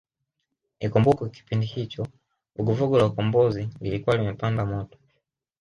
Ikumbukwe kipindi hicho vuguvugu la Ukombozi wa lilikuwa limepamba moto